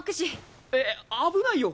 えっ危ないよ！